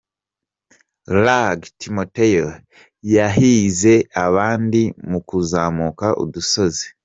Rugg Thimothy yahize abandi mu kuzamuka udusozi.